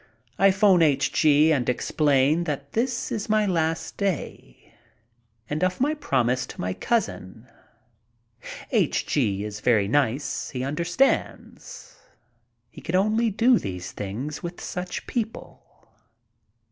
I phone H. G. and explain that this is my last day, and of my promise to my cousin. H. G. is very nice. He understands. You can only do these things with such people.